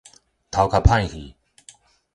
頭殼歹去